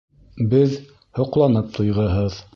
Беҙ — һоҡланып туйғыһыҙ.